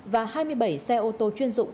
và hai mươi bảy xe ô tô chuyên dụng